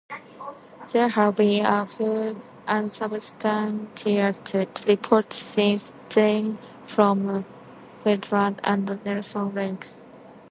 There have been a few unsubstantiated reports since then from Fiordland and Nelson Lakes.